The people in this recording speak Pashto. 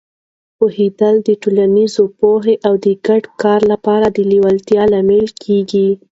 پوهېدل د ټولنیزې پوهې او د ګډ کار لپاره د لیوالتیا لامل کېږي.